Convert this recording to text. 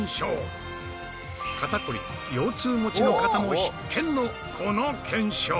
肩こり腰痛持ちの方も必見のこの検証。